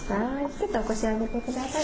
ちょっとお腰上げて下さい。